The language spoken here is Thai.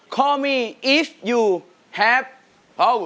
คอลด์มีอิฟยูแฮบภอเวอร์